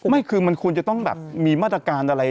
ไม่คือมันควรจะต้องแบบมีมาตรการอะไร